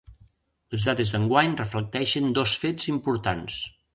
Les dades d’enguany reflecteixen dos fets importants.